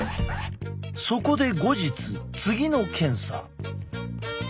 そこで後日次の検査。